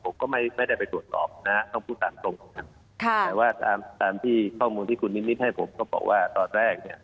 ผมก็ไม่ได้ไปตรวจสอบนะต้องพูดตามตรงตรงนั้นแต่ว่าตามตามที่ข้อมูลที่คุณนิมิตให้ผมก็บอกว่าตอนแรกเนี่ย